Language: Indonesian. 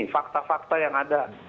fakta fakta yang ada